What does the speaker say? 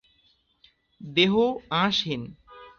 দেহ অাঁশহীন।